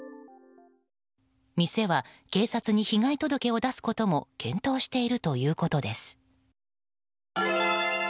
店は警察に被害届を出すことも検討しているということです。